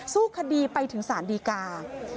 สู้คดีไปถึงสารดีกา